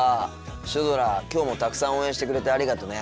シュドラきょうもたくさん応援してくれてありがとね。